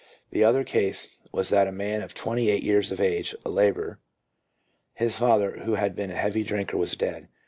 The other case was that of a man of twenty eight years of age, a labourer. His father, who had been a heavy drinker, was dead.